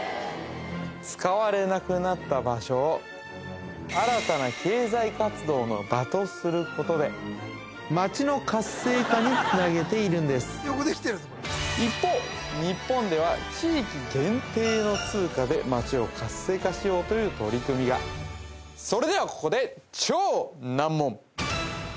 使われなくなった場所を新たな経済活動の場とすることで街の活性化につなげているんです一方日本では地域限定の通貨で街を活性化しようという取り組みがそれではここで超難問